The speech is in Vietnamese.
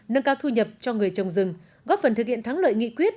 nâng cao thu nhập cho người trồng rừng góp phần thực hiện thắng lợi nghị quyết